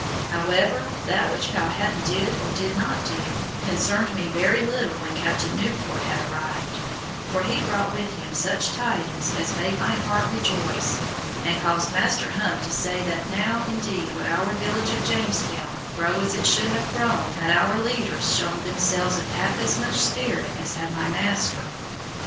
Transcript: However, that which Powhatan did or did not do, concerned me very little when Captain Newport had arrived, for he brought with him such tidings as made my heart rejoice, and caused Master Hunt to say that now indeed would our village of Jamestown grow as it should have grown had our leaders shown themselves of half as much spirit as had my master.